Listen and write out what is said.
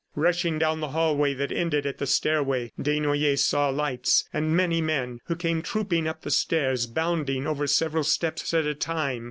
Rushing down the hallway that ended at the stairway Desnoyers saw lights, and many men who came trooping up the stairs, bounding over several steps at a time.